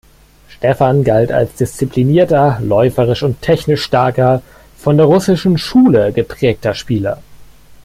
Stefan galt als disziplinierter, läuferisch und technisch starker, von der „russischen Schule“ geprägter Spieler.